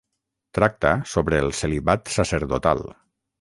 Tracta sobre el celibat sacerdotal.